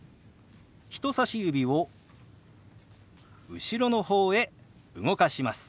人さし指を後ろの方へ動かします。